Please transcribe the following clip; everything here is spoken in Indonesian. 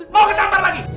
mau ditambar lagi